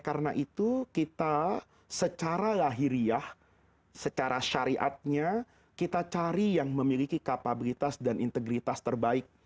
karena itu kita secara lahiriah secara syariatnya kita cari yang memiliki kapabilitas dan integritas terbaik